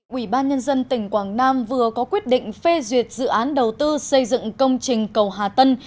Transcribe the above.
quỹ ban nhân dân tỉnh quảng nam vừa có quyết định phê duyệt dự án đầu tư xây dựng công trình cầu hà tân